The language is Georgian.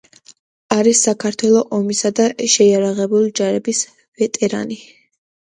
არის საქართველოს ომისა და შეიარაღებული ჯარების ვეტერანი.